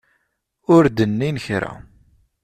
Ur d-nnin kra.